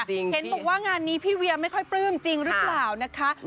เห็นบอกว่างานนี้พี่เวียไม่ค่อยปลื้มจริงหรือเปล่านะคะ